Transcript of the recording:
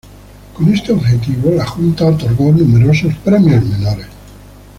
Con este objetivo, la Junta otorgó numerosos premios menores.